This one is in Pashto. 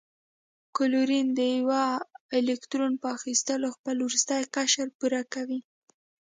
کلورین د یوه الکترون په اخیستلو خپل وروستنی قشر پوره کوي.